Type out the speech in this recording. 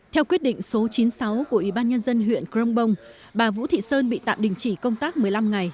theo quyết định số chín mươi sáu của ubnd huyện crong bông bà vũ thị sơn bị tạm đình chỉ công tác một mươi năm ngày